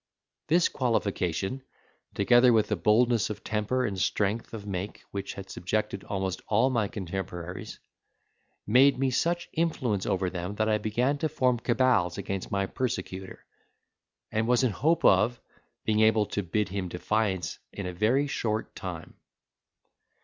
This qualification, together with the boldness of temper and strength of make which had subjected almost all my contemporaries, gave me such influence over them that I began to form cabals against my persecutor; and was in hope of, being able to bid him defiance in a very short time.